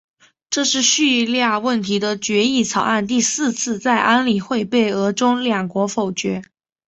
这是叙利亚问题的决议草案第四次在安理会被俄中两国否决。